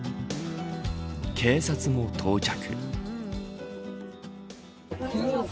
警察も到着。